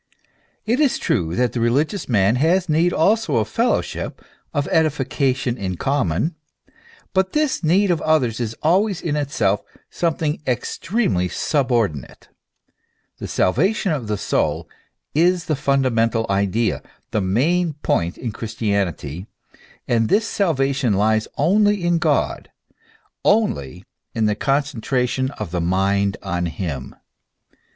It is true that the religious man has need also of fellowship, of edification in common ; but this need of others is always in itself something extremely subordinate. The salvation of the soul is the fundamental idea, the main point in Christianity; and this salvation lies only in God, only in the concentration of the mind on Him.